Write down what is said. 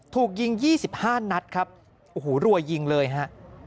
ถูกยิง๒๕นัดครับโอ้โหรัวยิงเลยฮะ